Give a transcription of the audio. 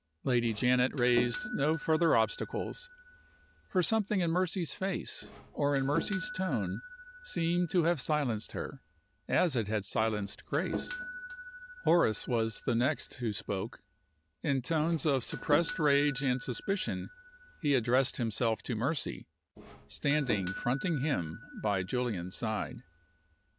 Lady Janet raised no further obstacles. For something in Mercy's face, or in Mercy's tone, seemed to have silenced her, as it had silenced Grace. Horace was the next who spoke. In tones of suppressed rage and suspicion he addressed himself to Mercy, standing fronting him by Julian's side.